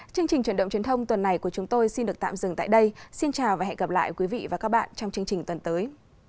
chương trình truyền động truyền thông tuần này của chúng tôi xin được tạm dừng tại đây xin chào và hẹn gặp lại quý vị và các bạn trong chương trình tuần tới